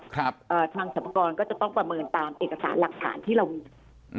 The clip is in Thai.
ทางสรรพากรก็จะต้องประเมินตามเอกสารหลักฐานที่เรามีอืม